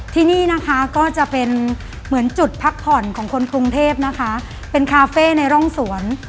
ที่นี่นะคะก็จะเป็นเหมือนจุดพักผ่อนของคนกรุงเทพนะคะเป็นคาเฟ่ในร่องสวน